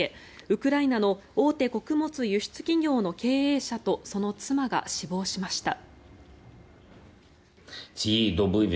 ウクライナの大手穀物輸出企業の経営者とその妻が死亡しました。